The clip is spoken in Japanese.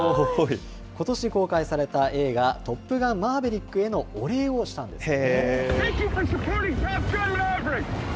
ことし公開された映画、トップガン・マーヴェリックへのお礼をしたんですね。